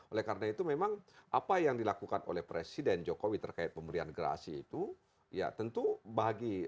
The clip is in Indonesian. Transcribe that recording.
oleh karena itu memang apa yang dilakukan oleh presiden jokowi terkait pemberian gerasi itu ya tentu bagi